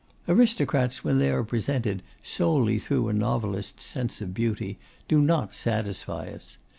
Aristocrats, when they are presented solely through a novelist's sense of beauty, do not satisfy us.